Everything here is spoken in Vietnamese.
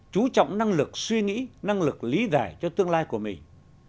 chú trọng năng lực suy nghĩ năng lực lý giải cho tương lai của mình